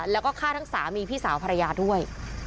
แล้วก็ฆ่าทั้งสามีพี่สาวภรรยาด้วย